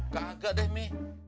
kagak deh mi